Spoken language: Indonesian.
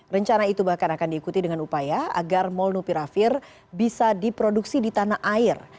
rencana itu bahkan akan diikuti dengan upaya agar molnupiravir bisa diproduksi di tanah air